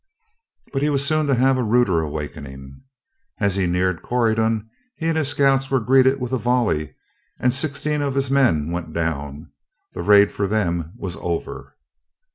But he was soon to have a ruder awakening. As he neared Corydon, he and his scouts were greeted with a volley, and sixteen of his men went down. The raid for them was over.